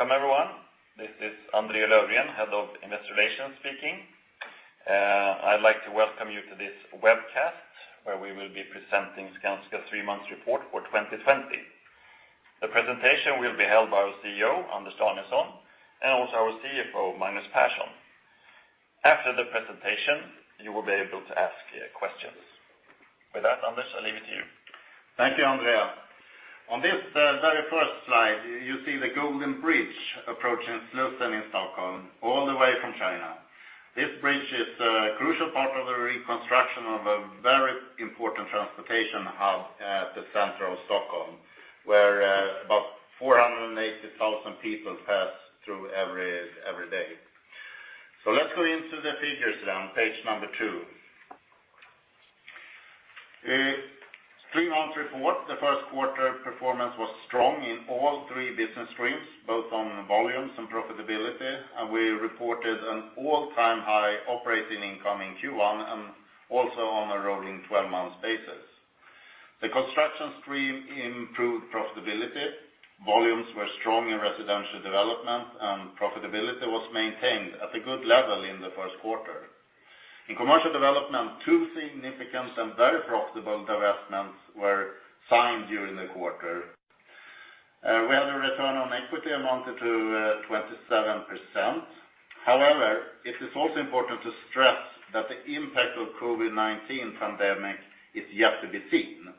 Welcome, everyone. This is André Löfgren, Head of Investor Relations, speaking. I'd like to welcome you to this webcast where we will be presenting Skanska's three-month report for 2020. The presentation will be held by our CEO, Anders Danielsson, and also our CFO, Magnus Persson. After the presentation, you will be able to ask questions. With that, Anders, I leave it to you. Thank you, Andriy. On this very first slide, you see the Golden Bridge approaching Slussen in Stockholm, all the way from China. This bridge is a crucial part of the reconstruction of a very important transportation hub at the center of Stockholm, where about 480,000 people pass through every day. Let's go into the figures then, page number two. Three-month report, the first quarter performance was strong in all three business streams, both on volumes and profitability, and we reported an all-time high operating income in Q1 and also on a rolling 12-month basis. The construction stream improved profitability, volumes were strong in residential development, and profitability was maintained at a good level in the first quarter. In commercial development, two significant and very profitable divestments were signed during the quarter. We had a return on equity amounted to 27%. However, it is also important to stress that the impact of the COVID-19 pandemic is yet to be seen.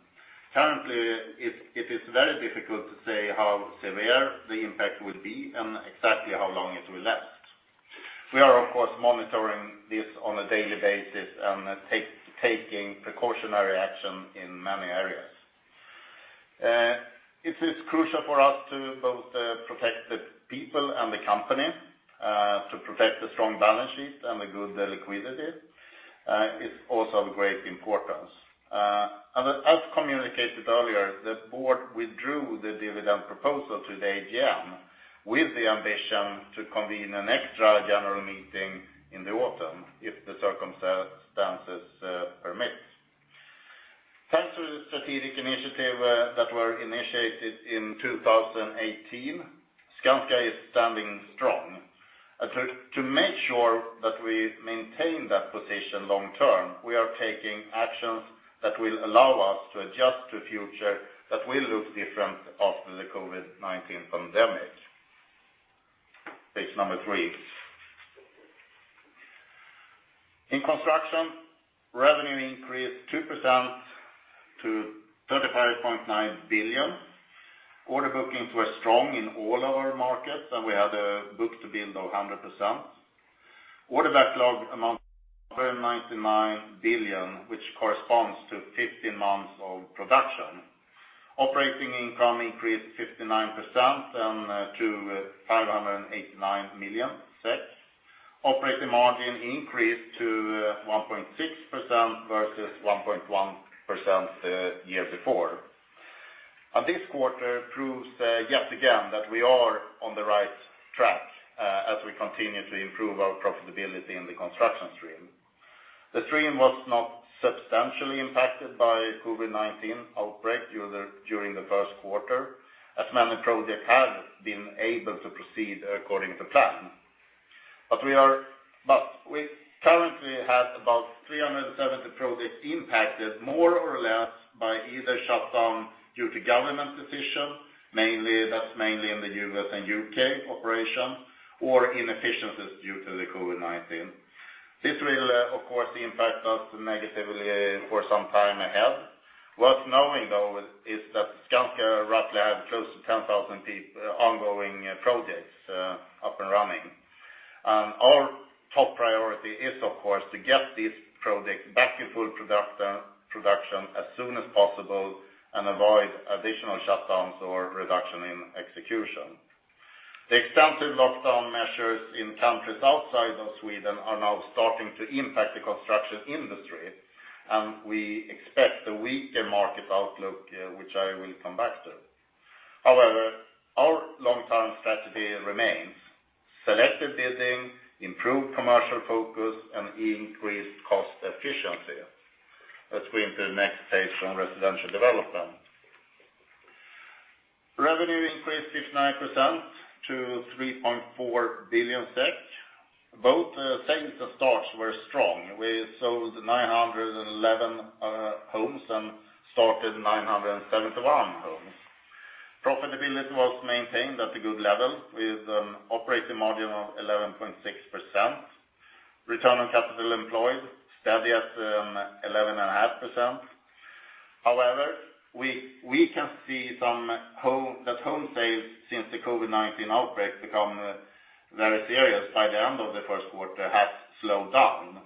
Currently, it is very difficult to say how severe the impact will be and exactly how long it will last. We are, of course, monitoring this on a daily basis and taking precautionary action in many areas. It is crucial for us to both protect the people and the company, to protect the strong balance sheet and the good liquidity. It is also of great importance. As communicated earlier, the board withdrew the dividend proposal to the AGM with the ambition to convene an extra general meeting in the autumn if the circumstances permit. Thanks to the strategic initiative that was initiated in 2018, Skanska is standing strong. To make sure that we maintain that position long-term, we are taking actions that will allow us to adjust to the future that will look different after the COVID-19 pandemic. Page number three. In construction, revenue increased 2% to 35.9 billion. Order bookings were strong in all of our markets, and we had a book-to-build of 100%. Order backlog amounts to 199 billion, which corresponds to 15 months of production. Operating income increased 59% to 589 million. Operating margin increased to 1.6% versus 1.1% the year before. This quarter proves yet again that we are on the right track as we continue to improve our profitability in the construction stream. The stream was not substantially impacted by the COVID-19 outbreak during the first quarter, as many projects have been able to proceed according to plan. We currently have about 370 projects impacted more or less by either shutdown due to government decision, mainly that's mainly in the US and UK operations, or inefficiencies due to the COVID-19. This will, of course, impact us negatively for some time ahead. Worth knowing, though, is that Skanska roughly has close to 10,000 ongoing projects up and running. Our top priority is, of course, to get these projects back in full production as soon as possible and avoid additional shutdowns or reduction in execution. The extensive lockdown measures in countries outside of Sweden are now starting to impact the construction industry, and we expect a weaker market outlook, which I will come back to. However, our long-term strategy remains: selective bidding, improved commercial focus, and increased cost efficiency. Let's go into the next page from residential development. Revenue increased 59% to 3.4 billion SEK. Both sales and stocks were strong. We sold 911 homes and started 971 homes. Profitability was maintained at a good level with an operating margin of 11.6%. Return on capital employed steadied at 11.5%. However, we can see that home sales since the COVID-19 outbreak became very serious by the end of the first quarter have slowed down.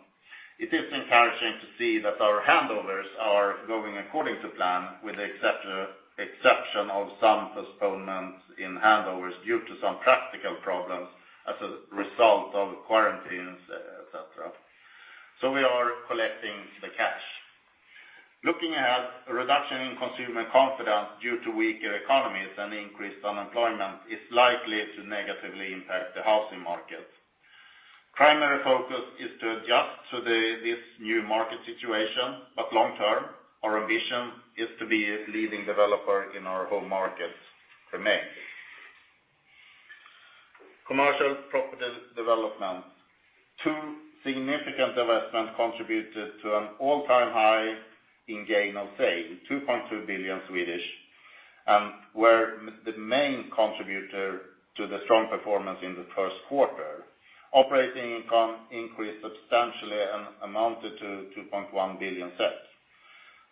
It is encouraging to see that our handovers are going according to plan, with the exception of some postponements in handovers due to some practical problems as a result of quarantines, etc. We are collecting the cash. Looking ahead, a reduction in consumer confidence due to weaker economies and increased unemployment is likely to negatively impact the housing market. Primary focus is to adjust to this new market situation, but long-term, our ambition to be a leading developer in our home market remains. Commercial property development, two significant investments contributed to an all-time high in gain on sale, 2.2 billion, and were the main contributor to the strong performance in the first quarter. Operating income increased substantially and amounted to 2.1 billion.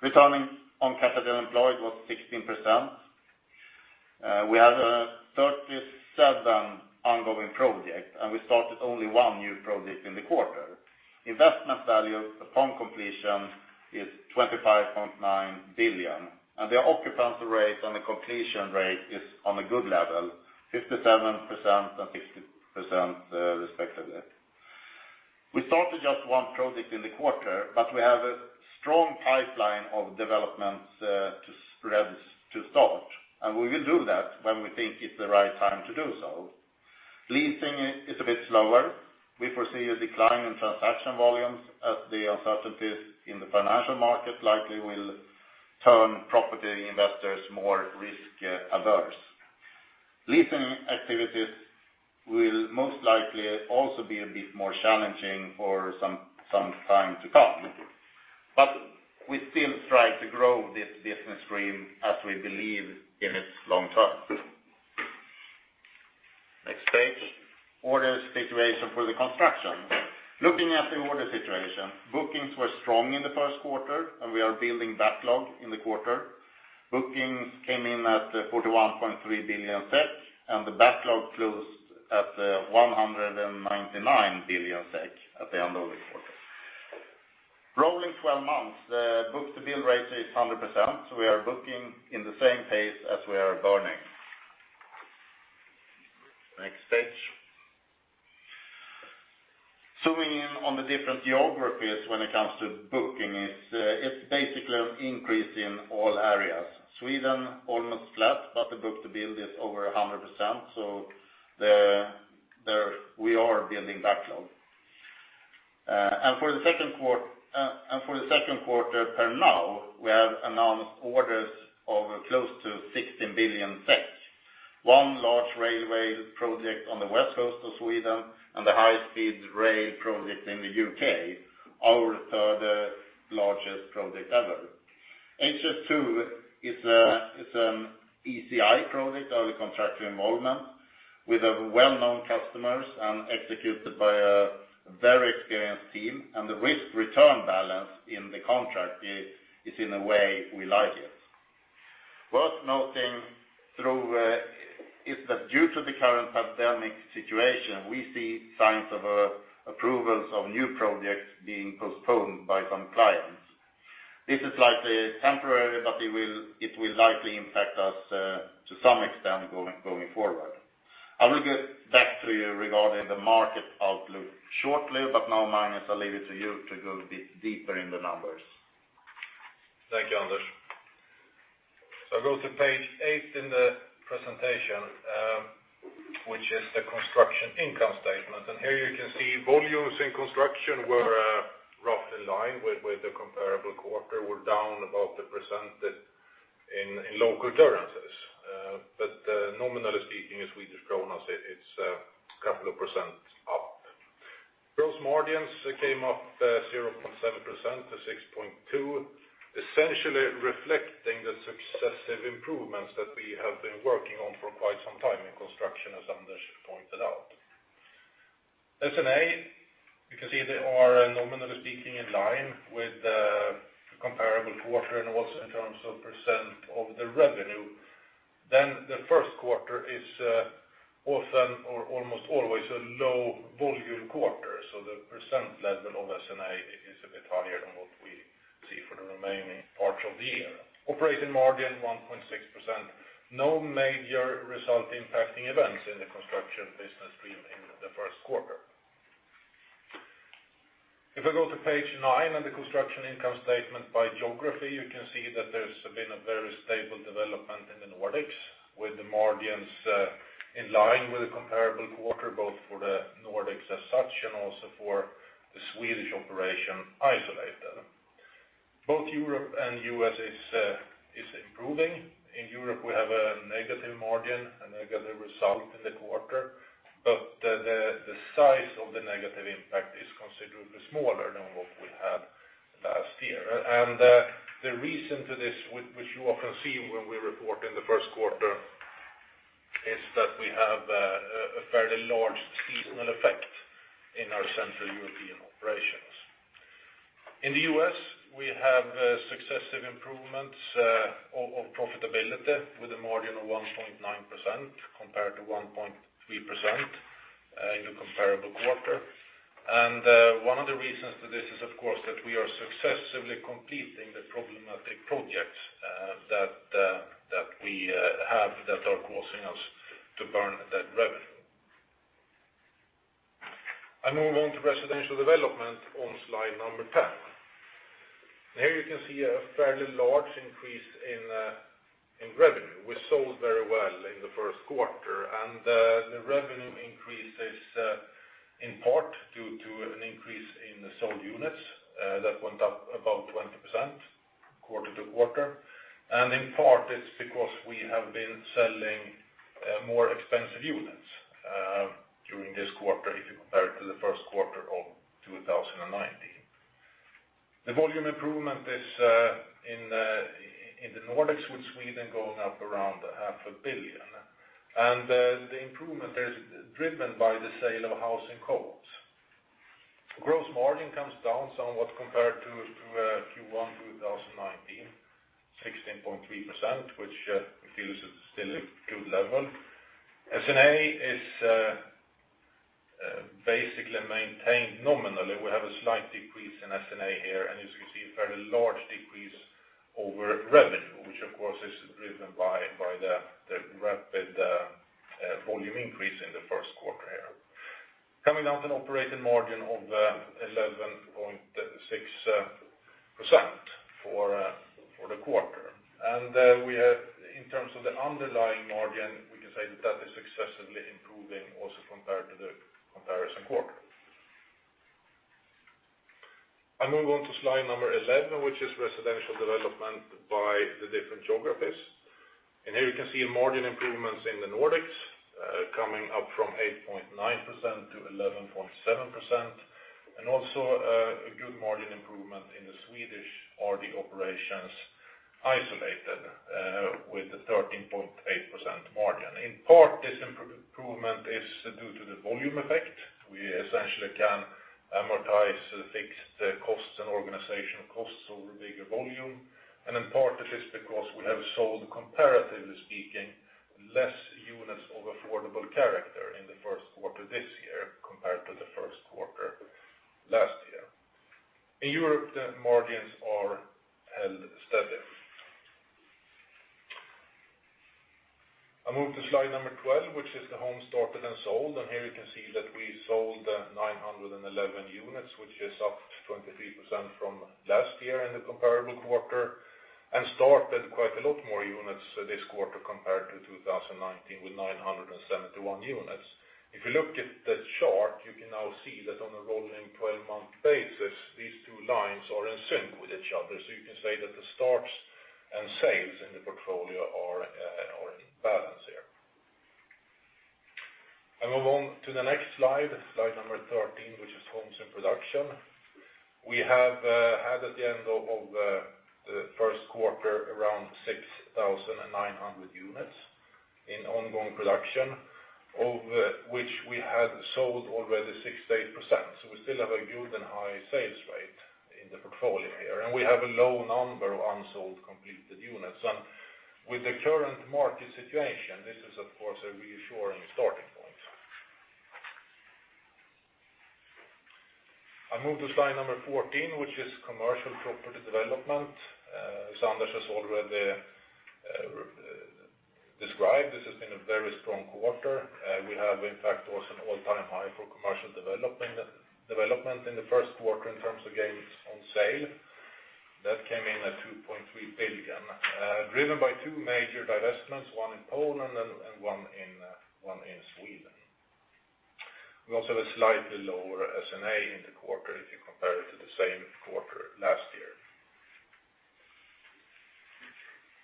Return on capital employed was 16%. We have 37 ongoing projects, and we started only one new project in the quarter. Investment value upon completion is 25.9 billion, and the occupancy rate and the completion rate is on a good level, 57% and 60% respectively. We started just one project in the quarter, but we have a strong pipeline of developments to start, and we will do that when we think it's the right time to do so. Leasing is a bit slower. We foresee a decline in transaction volumes as the uncertainties in the financial market likely will turn property investors more risk-averse. Leasing activities will most likely also be a bit more challenging for some time to come. We still strive to grow this business stream as we believe in its long term. Next page. Order situation for the construction. Looking at the order situation, bookings were strong in the first quarter, and we are building backlog in the quarter. Bookings came in at 41.3 billion SEK, and the backlog closed at 199 billion SEK at the end of the quarter. Rolling 12 months, the book-to-build rate is 100%, so we are booking in the same pace as we are burning. Next page. Zooming in on the different geographies when it comes to booking, it is basically an increase in all areas. Sweden almost flat, but the book-to-build is over 100%, so we are building backlog. For the second quarter per now, we have announced orders of close to 16 billion. One large railway project on the west coast of Sweden and the high-speed rail project in the UK, our third largest project ever. HS2 is an ECI project, early contractor involvement, with well-known customers and executed by a very experienced team, and the risk-return balance in the contract is in a way we like it. Worth noting is that due to the current pandemic situation, we see signs of approvals of new projects being postponed by some clients. This is likely temporary, but it will likely impact us to some extent going forward. I will get back to you regarding the market outlook shortly, but now, Magnus, I will leave it to you to go a bit deeper in the numbers. Thank you, Anders. I'll go to page eight in the presentation, which is the construction income statement. Here you can see volumes in construction were roughly in line with the comparable quarter, were down about 1% in local currencies. Nominally speaking, in SEK, it's a couple of percent up. Gross margins came up 0.7% to 6.2%, essentially reflecting the successive improvements that we have been working on for quite some time in construction, as Anders pointed out. S&A, you can see they are nominally speaking in line with the comparable quarter and also in terms of percent of the revenue. The first quarter is often, or almost always, a low-volume quarter, so the percent level of S&A is a bit higher than what we see for the remaining parts of the year. Operating margin 1.6%. No major result-impacting events in the construction business stream in the first quarter. If I go to page nine of the construction income statement by geography, you can see that there has been a very stable development in the Nordics, with the margins in line with the comparable quarter, both for the Nordics as such and also for the Swedish operation isolated. Both Europe and US is improving. In Europe, we have a negative margin, a negative result in the quarter, but the size of the negative impact is considerably smaller than what we had last year. The reason for this, which you often see when we report in the first quarter, is that we have a fairly large seasonal effect in our Central European operations. In the US, we have successive improvements of profitability with a margin of 1.9% compared to 1.3% in the comparable quarter. One of the reasons for this is, of course, that we are successively completing the problematic projects that we have that are causing us to burn that revenue. I move on to residential development on slide number 10. Here you can see a fairly large increase in revenue. We sold very well in the first quarter, and the revenue increase is in part due to an increase in the sold units that went up about 20% quarter to quarter. In part, it is because we have been selling more expensive units during this quarter if you compare it to the first quarter of 2019. The volume improvement is in the Nordics with Sweden going up around 500,000,000. The improvement is driven by the sale of house and coats. Gross margin comes down somewhat compared to Q1 2019, 16.3%, which we feel is still a good level. S&A is basically maintained nominally. We have a slight decrease in S&A here, and as you can see, a fairly large decrease over revenue, which, of course, is driven by the rapid volume increase in the first quarter here. Coming down to an operating margin of 11.6% for the quarter. In terms of the underlying margin, we can say that that is successively improving also compared to the comparison quarter. I am moving on to slide number 11, which is residential development by the different geographies. Here you can see margin improvements in the Nordics coming up from 8.9% to 11.7%, and also a good margin improvement in the Swedish RD operations isolated with a 13.8% margin. In part, this improvement is due to the volume effect. We essentially can amortize fixed costs and organizational costs over bigger volume. In part, it is because we have sold, comparatively speaking, less units of affordable character in the first quarter this year compared to the first quarter last year. In Europe, the margins are held steady. I will move to slide number 12, which is the home started and sold. Here you can see that we sold 911 units, which is up 23% from last year in the comparable quarter, and started quite a lot more units this quarter compared to 2019 with 971 units. If you look at the chart, you can now see that on a rolling 12-month basis, these two lines are in sync with each other. You can say that the starts and sales in the portfolio are in balance here. I move on to the next slide, slide number 13, which is homes in production. We have had at the end of the first quarter around 6,900 units in ongoing production, of which we had sold already 68%. You still have a good and high sales rate in the portfolio here. You have a low number of unsold completed units. With the current market situation, this is, of course, a reassuring starting point. I move to slide number 14, which is commercial property development. As Anders has already described, this has been a very strong quarter. You have, in fact, also an all-time high for commercial development in the first quarter in terms of gains on sale. That came in at 2.3 billion, driven by two major divestments, one in Poland and one in Sweden. We also have a slightly lower S&A in the quarter if you compare it to the same quarter last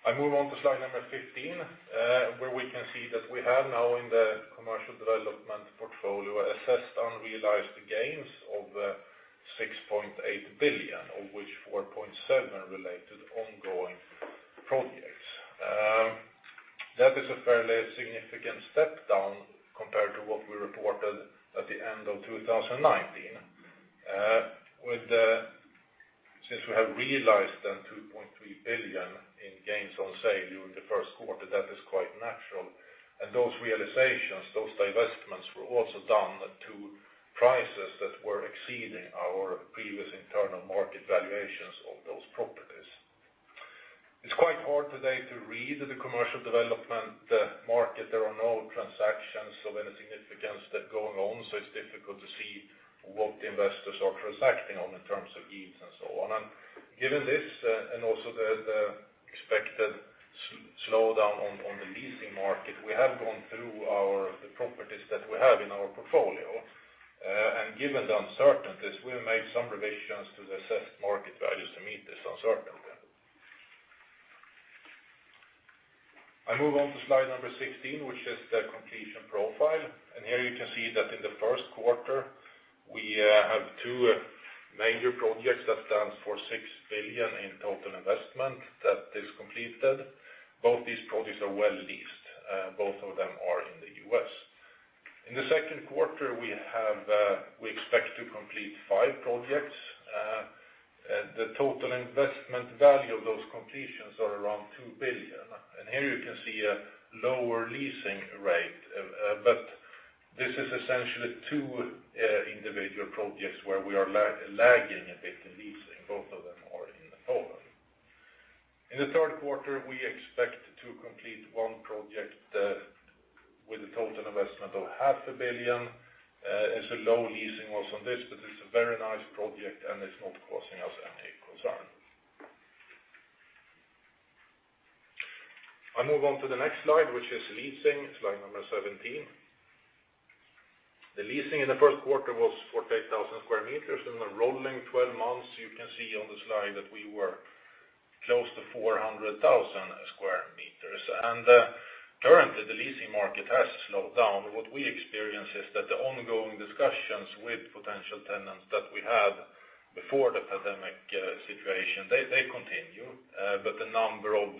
year. I move on to slide number 15, where we can see that we have now in the commercial development portfolio assessed unrealized gains of 6.8 billion, of which 4.7 billion related to ongoing projects. That is a fairly significant step down compared to what we reported at the end of 2019. Since we have realized then 2.3 billion in gains on sale during the first quarter, that is quite natural. Those realizations, those divestments, were also done to prices that were exceeding our previous internal market valuations of those properties. It's quite hard today to read the commercial development market. There are no transactions of any significance going on, so it's difficult to see what the investors are transacting on in terms of yields and so on. Given this and also the expected slowdown on the leasing market, we have gone through the properties that we have in our portfolio. Given the uncertainties, we have made some revisions to the assessed market values to meet this uncertainty. I move on to slide number 16, which is the completion profile. Here you can see that in the first quarter, we have two major projects that stand for 6 billion in total investment that is completed. Both these projects are well-leased. Both of them are in the US. In the second quarter, we expect to complete five projects. The total investment value of those completions is around 2 billion. Here you can see a lower leasing rate, but this is essentially two individual projects where we are lagging a bit in leasing. Both of them are in Poland. In the third quarter, we expect to complete one project with a total investment of 500,000,000. It's a low leasing also on this, but it's a very nice project, and it's not causing us any concern. I move on to the next slide, which is leasing, slide number 17. The leasing in the first quarter was 48,000 sq m. In the rolling 12 months, you can see on the slide that we were close to 400,000 sq m. Currently, the leasing market has slowed down. What we experience is that the ongoing discussions with potential tenants that we had before the pandemic situation, they continue, but the number of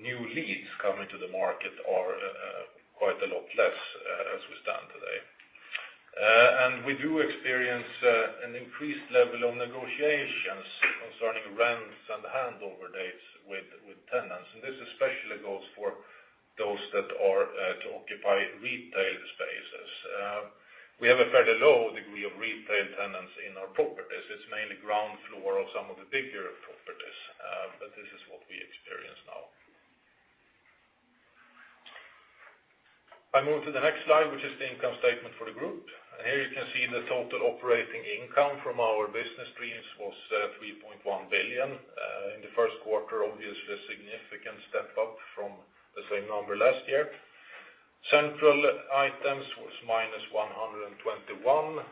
new leads coming to the market are quite a lot less as we stand today. We do experience an increased level of negotiations concerning rents and handover dates with tenants. This especially goes for those that are to occupy retail spaces. We have a fairly low degree of retail tenants in our properties. It is mainly ground floor or some of the bigger properties, but this is what we experience now. I move to the next slide, which is the income statement for the group. Here you can see the total operating income from our business streams was 3.1 billion in the first quarter, obviously a significant step up from the same number last year. Central items was minus 121 million.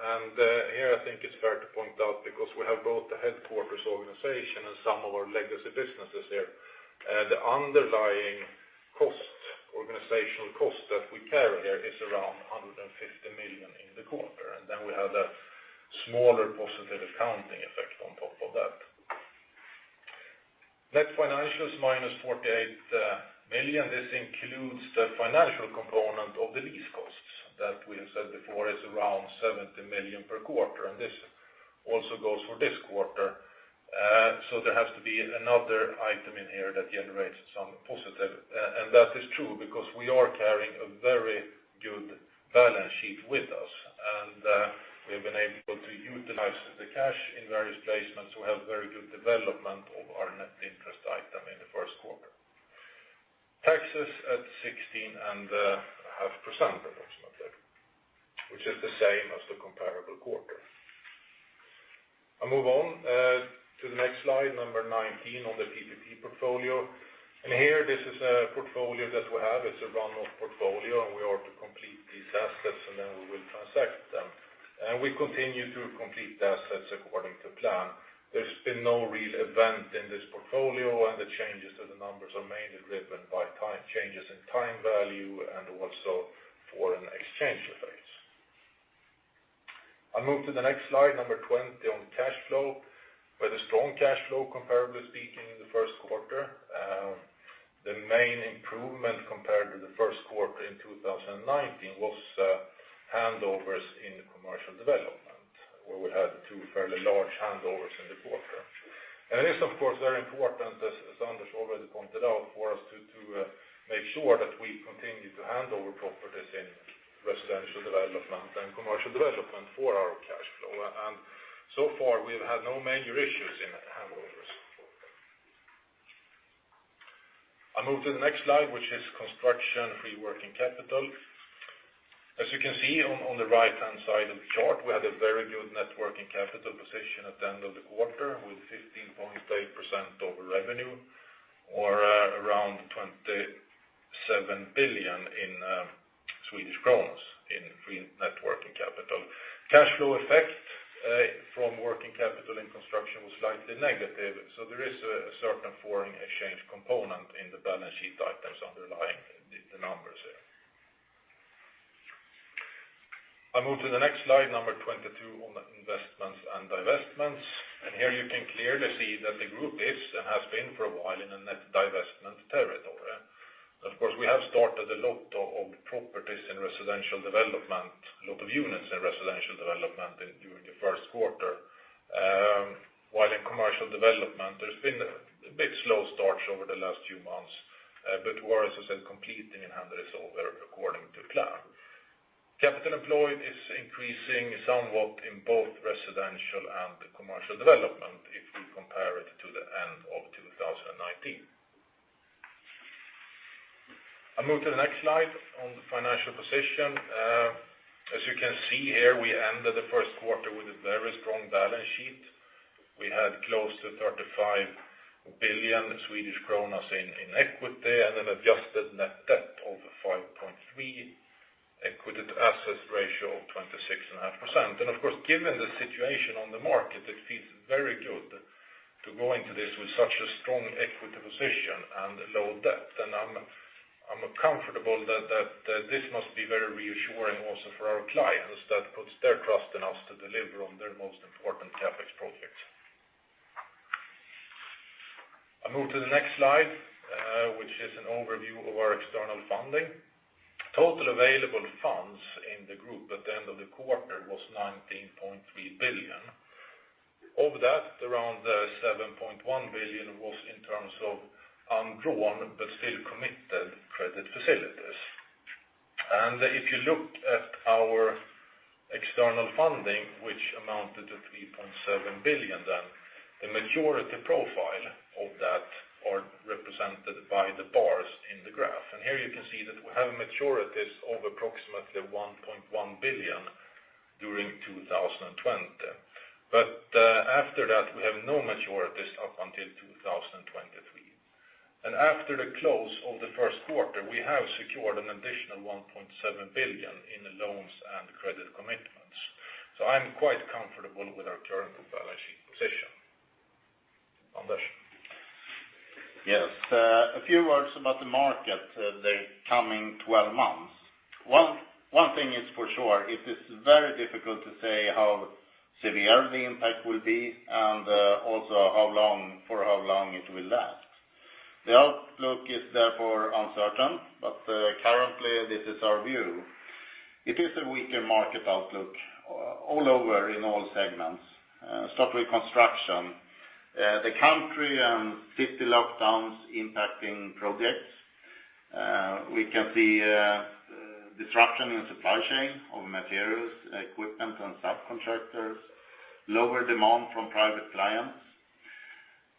I think it is fair to point out, because we have both the headquarters organization and some of our legacy businesses here, the underlying organizational cost that we carry here is around 150 million in the quarter. Then we have a smaller positive accounting effect on top of that. Net financials minus 48 million. This includes the financial component of the lease costs that we have said before is around 70 million per quarter. This also goes for this quarter. There has to be another item in here that generates some positive. That is true because we are carrying a very good balance sheet with us. We have been able to utilize the cash in various placements. We have very good development of our net interest item in the first quarter. Taxes at 16.5% approximately, which is the same as the comparable quarter. I move on to the next slide, number 19, on the PPP portfolio. Here, this is a portfolio that we have. It is a run-off portfolio, and we are to complete these assets, and then we will transact them. We continue to complete the assets according to plan. There's been no real event in this portfolio, and the changes to the numbers are mainly driven by changes in time value and also foreign exchange effects. I'll move to the next slide, number 20, on cash flow. We had a strong cash flow, comparably speaking, in the first quarter. The main improvement compared to the first quarter in 2019 was handovers in commercial development, where we had two fairly large handovers in the quarter. It is, of course, very important, as Anders already pointed out, for us to make sure that we continue to hand over properties in residential development and commercial development for our cash flow. So far, we have had no major issues in handovers. I move to the next slide, which is construction, free working capital. As you can see on the right-hand side of the chart, we had a very good net working capital position at the end of the quarter with 15.8% of revenue, or around SEK 27 billion in free net working capital. Cash flow effect from working capital in construction was slightly negative, so there is a certain foreign exchange component in the balance sheet items underlying the numbers here. I move to the next slide, number 22, on investments and divestments. Here you can clearly see that the group is and has been for a while in a net divestment territory. Of course, we have started a lot of properties in residential development, a lot of units in residential development during the first quarter. While in commercial development, there's been a bit slow start over the last few months, but we're, as I said, completing and handing this over according to plan. Capital employed is increasing somewhat in both residential and commercial development if we compare it to the end of 2019. I move to the next slide on the financial position. As you can see here, we ended the first quarter with a very strong balance sheet. We had close to 35 billion Swedish kronor in equity and an adjusted net debt of 5.3 billion, equity-to-assets ratio of 26.5%. Of course, given the situation on the market, it feels very good to go into this with such a strong equity position and low debt. I'm comfortable that this must be very reassuring also for our clients that put their trust in us to deliver on their most important CapEx projects. I move to the next slide, which is an overview of our external funding. Total available funds in the group at the end of the quarter was 19.3 billion. Of that, around 7.1 billion was in terms of undrawn but still committed credit facilities. If you look at our external funding, which amounted to 3.7 billion then, the maturity profile of that is represented by the bars in the graph. Here you can see that we have maturities of approximately 1.1 billion during 2020. After that, we have no maturities up until 2023. After the close of the first quarter, we have secured an additional 1.7 billion in loans and credit commitments. I am quite comfortable with our current balance sheet position. Anders. Yes. A few words about the market in the coming 12 months. One thing is for sure. It is very difficult to say how severe the impact will be and also for how long it will last. The outlook is therefore uncertain, but currently, this is our view. It is a weaker market outlook all over in all segments, stock reconstruction, the country and city lockdowns impacting projects. We can see disruption in supply chain of materials, equipment, and subcontractors, lower demand from private clients.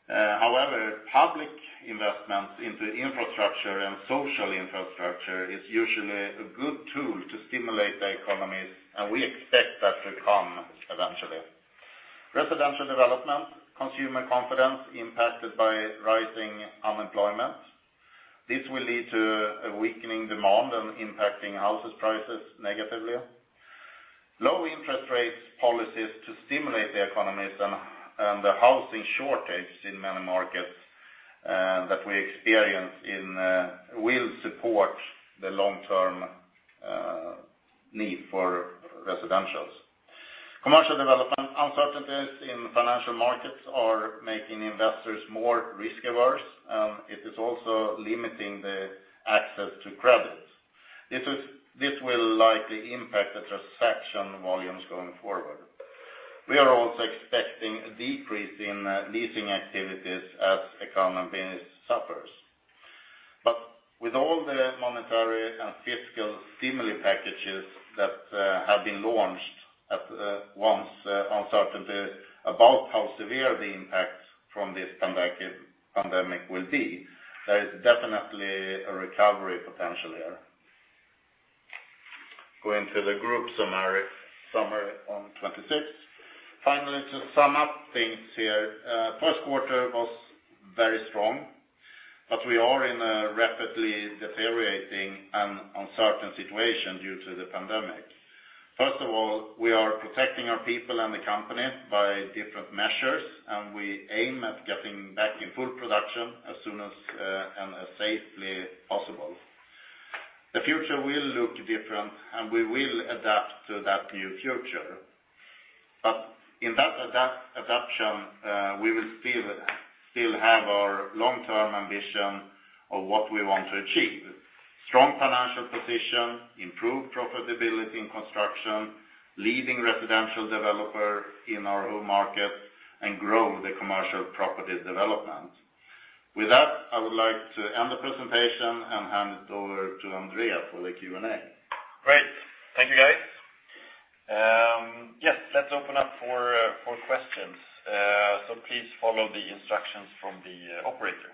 However, public investments into infrastructure and social infrastructure are usually a good tool to stimulate the economies, and we expect that to come eventually. Residential development, consumer confidence impacted by rising unemployment. This will lead to a weakening demand and impacting houses' prices negatively. Low interest rate policies to stimulate the economies and the housing shortage in many markets that we experience will support the long-term need for residentials. Commercial development uncertainties in financial markets are making investors more risk-averse, and it is also limiting the access to credit. This will likely impact the transaction volumes going forward. We are also expecting a decrease in leasing activities as the economy suffers. With all the monetary and fiscal stimuli packages that have been launched, once uncertainty about how severe the impact from this pandemic will be, there is definitely a recovery potential here. Going to the group summary on 26. Finally, to sum up things here, the first quarter was very strong, but we are in a rapidly deteriorating and uncertain situation due to the pandemic. First of all, we are protecting our people and the company by different measures, and we aim at getting back in full production as soon as safely possible. The future will look different, and we will adapt to that new future. In that adaptation, we will still have our long-term ambition of what we want to achieve: strong financial position, improved profitability in construction, leading residential developer in our home market, and grow the commercial property development. With that, I would like to end the presentation and hand it over to Andrea for the Q&A. Great. Thank you, guys. Yes, let's open up for questions. Please follow the instructions from the operator.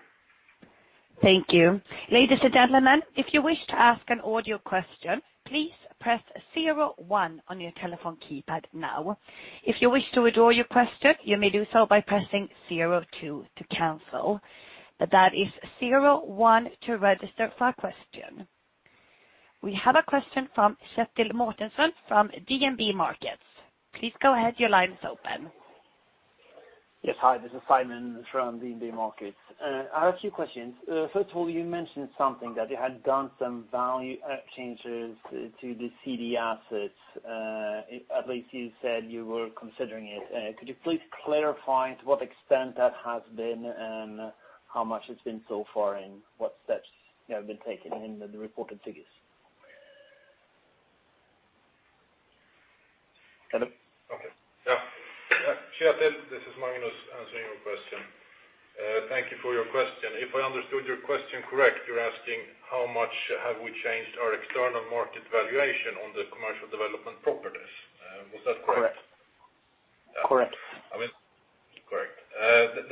Thank you. Ladies and gentlemen, if you wish to ask an audio question, please press zero one on your telephone keypad now. If you wish to withdraw your question, you may do so by pressing zero two to cancel. That is zero one to register for a question. We have a question from Simon from DNB Markets. Please go ahead. Your line is open. Yes. Hi. This is Simon from DNB Markets. I have a few questions. First of all, you mentioned something that you had done some value changes to the CD assets. At least you said you were considering it. Could you please clarify to what extent that has been and how much it's been so far and what steps you have been taking in the reported figures? Kjetil? Okay. Kjetil, this is Magnus answering your question. Thank you for your question. If I understood your question correct, you're asking how much have we changed our external market valuation on the commercial development properties. Was that correct? Correct. Correct. I mean, correct.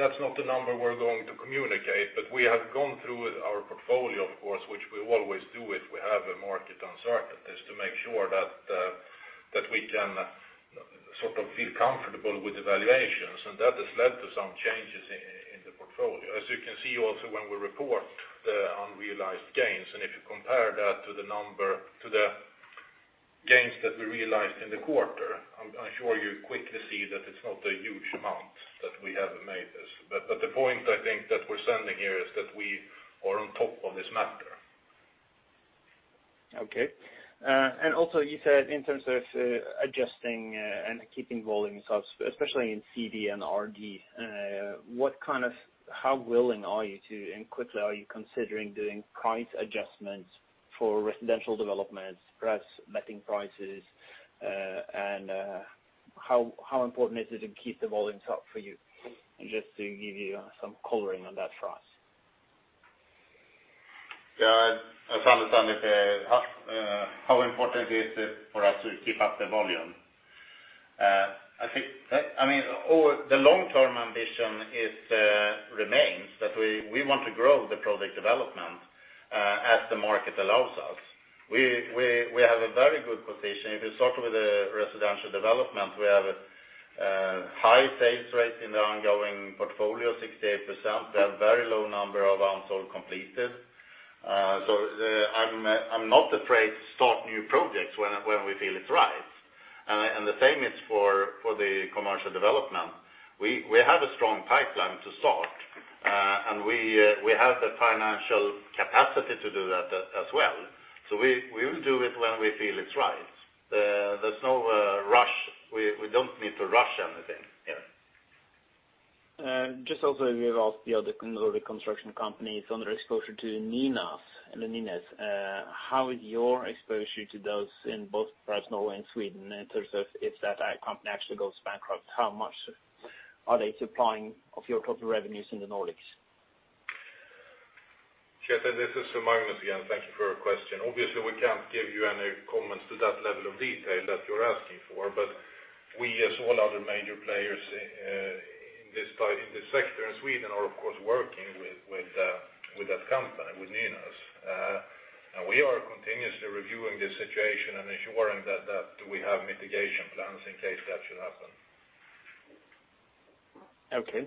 That's not the number we're going to communicate, but we have gone through our portfolio, of course, which we always do if we have a market uncertainty, is to make sure that we can sort of feel comfortable with the valuations. And that has led to some changes in the portfolio. As you can see also when we report the unrealized gains, and if you compare that to the gains that we realized in the quarter, I'm sure you quickly see that it's not a huge amount that we have made. The point I think that we're sending here is that we are on top of this matter. Okay. Also, you said in terms of adjusting and keeping volumes up, especially in CD and RD, how willing are you to and quickly are you considering doing price adjustments for residential developments, perhaps letting prices? How important is it to keep the volumes up for you? Just to give you some coloring on that for us. Yeah. As Anders said, how important is it for us to keep up the volume? I mean, the long-term ambition remains that we want to grow the project development as the market allows us. We have a very good position. If you start with the residential development, we have a high sales rate in the ongoing portfolio, 68%. We have a very low number of unsold completed. I am not afraid to start new projects when we feel it's right. The same is for the commercial development. We have a strong pipeline to start, and we have the financial capacity to do that as well. We will do it when we feel it's right. There is no rush. We do not need to rush anything here. Also, we have asked the other construction companies on their exposure to Ninas and the Ninas. How is your exposure to those in both parts of Norway and Sweden in terms of if that company actually goes bankrupt? How much are they supplying of your total revenues in the Nordics? Kjetil, this is Magnus again. Thank you for your question. Obviously, we can't give you any comments to that level of detail that you're asking for, but we, as all other major players in this sector in Sweden, are of course working with that company, with Ninas. We are continuously reviewing the situation and ensuring that we have mitigation plans in case that should happen. Okay.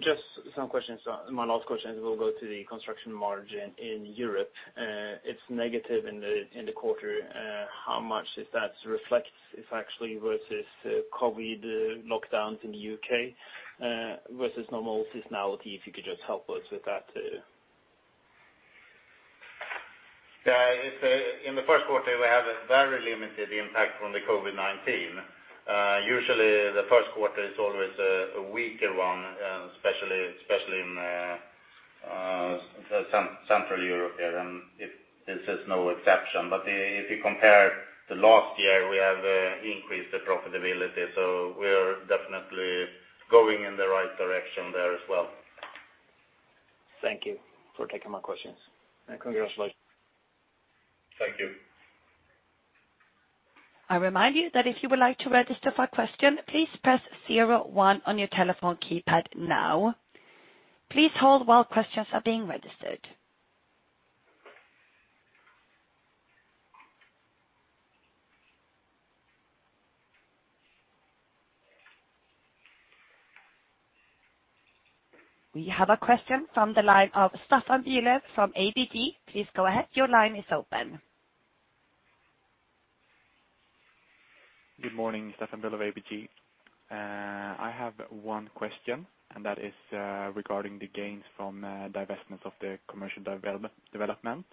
Just some questions. My last question will go to the construction margin in Europe. It's negative in the quarter. How much does that reflect, if actually, versus COVID lockdowns in the UK versus normal seasonality? If you could just help us with that. Yeah. In the first quarter, we had a very limited impact from the COVID-19. Usually, the first quarter is always a weaker one, especially in Central Europe here, and this is no exception. If you compare the last year, we have increased the profitability. We are definitely going in the right direction there as well. Thank you for taking my questions. Congratulations. Thank you. I remind you that if you would like to register for a question, please press zero one on your telephone keypad now. Please hold while questions are being registered. We have a question from the line of Stefan Bülow from ABG. Please go ahead. Your line is open. Good morning, Stefan Bülow of ABG. I have one question, and that is regarding the gains from divestments of the commercial development.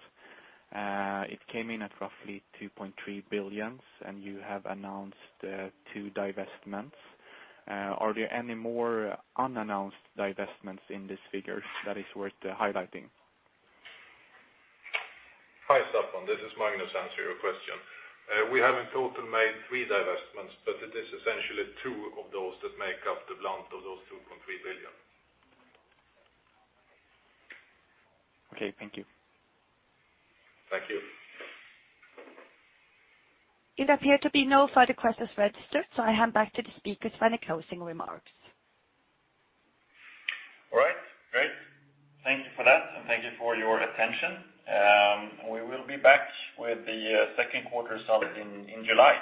It came in at roughly 2.3 billion, and you have announced two divestments. Are there any more unannounced divestments in this figure that is worth highlighting? Hi, Stefan. This is Magnus answering your question. We have in total made three divestments, but it is essentially two of those that make up the blunt of those 2.3 billion. Okay. Thank you. Thank you. It appears to be no further questions registered, so I hand back to the speakers for any closing remarks. All right. Great. Thank you for that, and thank you for your attention. We will be back with the second quarter starting in July.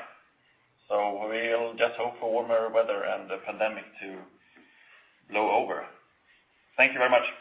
We just hope for warmer weather and the pandemic to blow over. Thank you very much.